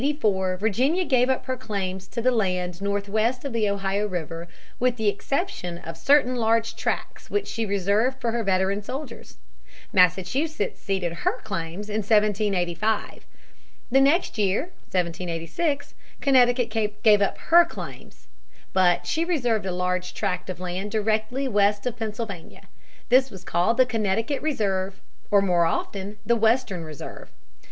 In 1784 Virginia gave up her claims to the land northwest of the Ohio River with the exception of certain large tracts which she reserved for her veteran soldiers. Massachusetts ceded her claims in 1785. The next year (1786) Connecticut gave up her claims. But she reserved a large tract of land directly west of Pennsylvania. This was called the Connecticut Reserve or, more often, the Western Reserve.